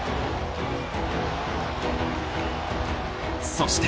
［そして］